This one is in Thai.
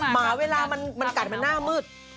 หมาเวลามันกัดมันหน้ามืด